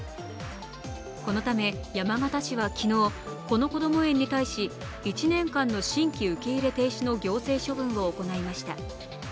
このため山形市は昨日、このこども園に対し１年間の新規受け入れ停止の行政処分を行いました。